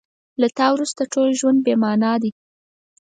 له تا وروسته ټول ژوند بې مانا دی.